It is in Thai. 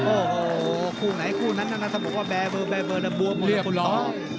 โอ้โหคู่ไหนคู่นั้นน่ะถ้าบอกว่าแบร์เฟอร์แบร์เฟอร์แล้วบัวหมดแล้วคุณท้อ